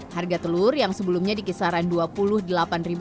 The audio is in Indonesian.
harga telur yang sebelumnya di kisaran rp dua puluh delapan